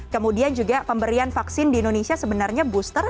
kemudian juga pemberian vaksin di indonesia sebenarnya booster